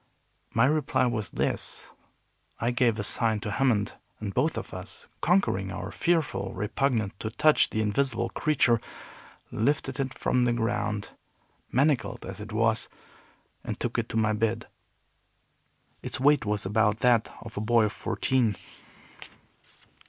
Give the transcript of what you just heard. My reply was this. I gave a sign to Hammond, and both of us conquering our fearful repugnance to touch the invisible creature lifted it from the ground, manacled as it was, and took it to my bed. Its weight was about that of a boy of fourteen.